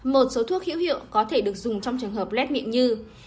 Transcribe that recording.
một số thuốc hữu hiệu có thể được dùng trong trường hợp lết miệng như